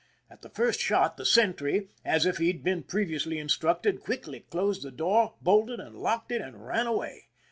At the first shot the sentry, as if he had been previously instructed, quickly closed the door, bolted and locked it, and ran away.